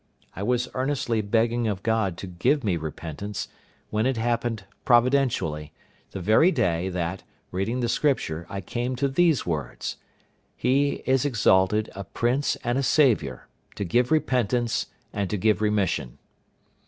I was earnestly begging of God to give me repentance, when it happened providentially, the very day, that, reading the Scripture, I came to these words: "He is exalted a Prince and a Saviour, to give repentance and to give remission."